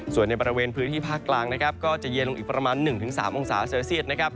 ส่วนในบริเวณพื้นที่ภาคกลางนะครับก็จะเย็นลงอีกประมาณ๑๓องศาเซลเซียตนะครับ